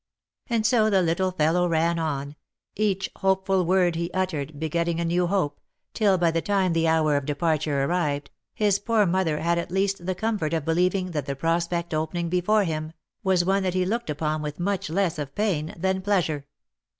And so the little fellow ran on — each hopeful word he uttered be getting a new hope, till, by the time the hour of departure arrived, his poor mother had at least the comfort of believing that the prospect opening before him, was one that he looked upon with much less of pain than pleasure.